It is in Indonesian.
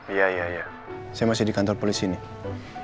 iya iya saya masih di kantor polisi nih